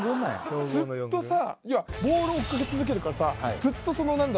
ずっとさ要はボールを追っかけ続けるからさずっとそのなんだろう？